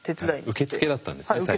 受付だったんですね最初。